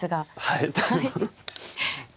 はい。